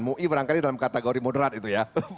mui berangkali dalam kategori moderat itu ya